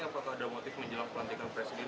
apakah ada motif menjelang pelantikan presiden